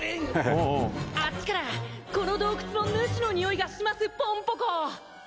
「あっちからこの洞窟の主のにおいがしますポンポコ」